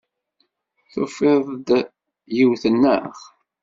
Tufiḍ-d yiwet, naɣ?